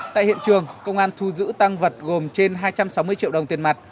tại hiện trường công an thu giữ tăng vật gồm trên hai trăm sáu mươi triệu đồng tiền mặt